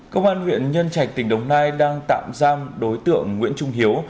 công an huyện nhân trạch tỉnh đồng nai đang tạm giam đối tượng nguyễn trung hiếu